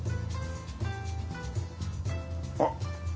あっ！